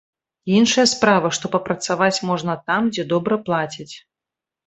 Іншая справа, што папрацаваць можна там, дзе добра плацяць.